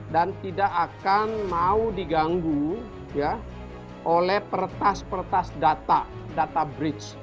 dan tidak akan mau diganggu oleh peretas peretas data data bridge